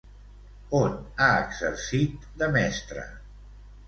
On ha exercit de mestra?